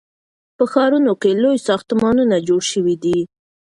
په ښارونو کې لوی ساختمانونه جوړ سوي دي.